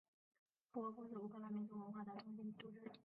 利沃夫是乌克兰民族文化的中心都市。